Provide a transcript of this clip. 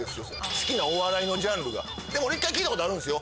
好きなお笑いのジャンルがでも俺１回聞いたことあるんすよ